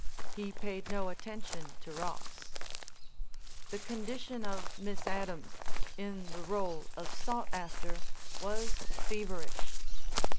He paid no attention to Ross. The condition of Miss Adams, in the role of sought after, was feverish.